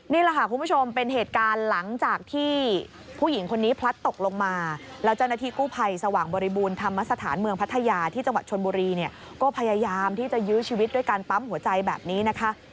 นี่แหละค่ะคุณผู้ชมเป็นเหตุการณ์หลังจากที่ผู้หญิงคนนี้พลัดตกลงมาแล้วเจ้าหน้าที่กู้ภัยสว่างบริบูรณ์ธรรมสถานเมืองพัทยาที่จังหวัดชนบุรีเนี่ยก็พยายามที่จะยื้อชีวิตด้วยการปั๊มหัวใจแบบนี้นะคะ